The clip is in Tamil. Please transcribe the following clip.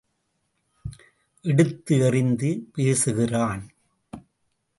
எடுத்து எறிந்து பேசுகிறான்.